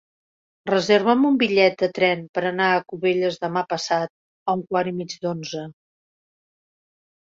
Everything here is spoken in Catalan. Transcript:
Reserva'm un bitllet de tren per anar a Cubelles demà passat a un quart i mig d'onze.